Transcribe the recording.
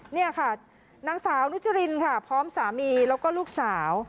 นี่ค่ะนางสาวนุจรินค่ะพร้อมสามีแล้วก็ลูกสาว